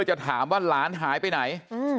จะถามว่าหลานหายไปไหน